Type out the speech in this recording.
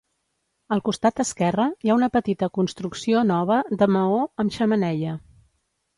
Al costat esquerre hi ha una petita construcció nova de maó amb xemeneia.